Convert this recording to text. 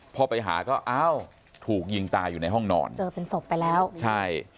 พอไปหาก็อ้าวถูกยิงตายอยู่ในห้องนอนเจอเป็นศพไปแล้วใช่